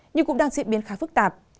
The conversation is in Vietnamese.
nhưng cũng đang diễn biến khá phức tạp